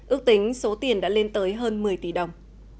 ước tính số tiền đã lên tới hơn một mươi tỷ đồng